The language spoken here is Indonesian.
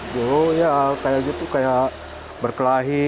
jauh ya kayak gitu kayak berkelahi